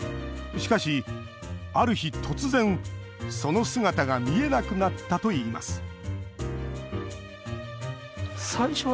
しかし、ある日、突然その姿が見えなくなったといいます